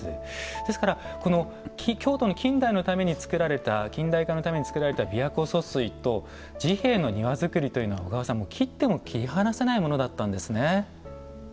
ですから京都の近代のためにつくられた近代化のためにつくられた琵琶湖疏水と治兵衛の庭づくりというのは小川さん切っても切り離せないものだったんですね。